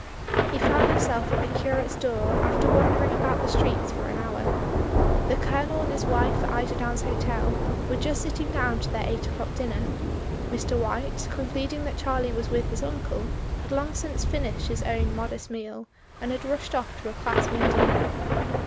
He found himself at the curate's door after wandering about the streets for an hour. The Colonel and his wife at Eiderdown's Hotel were just sitting down to STELLA MEA. 1 85 their eight o'clock dinner; Mr. White, concluding that Charlie was with his uncle, had long since finished his own modest meal, and had rushed off to a class meeting.